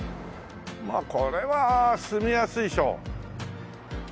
まあこれは住みやすいでしょう。